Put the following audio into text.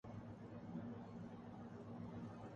بڑے فنکار ہیں ہمارے سیاستدان